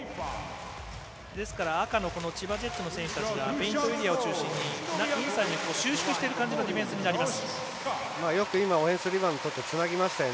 ですから、赤の千葉ジェッツの選手たちがペイントエリアを中心にインサイドに収縮しているような形のディフェンスになります。